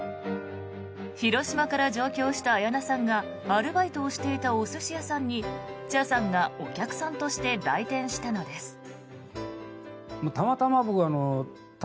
広島から上京した綾菜さんがアルバイトをしていたお寿司屋さんに茶さんがお客さんとして来店したのです。